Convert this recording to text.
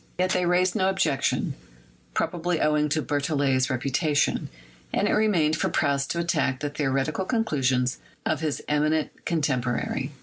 Yet 178 CHEMISTRY they raised no objection, probably owing to Berthollet's reputation, and it remained for Proust to attack the theo retical conclusions of his eminent contemporary.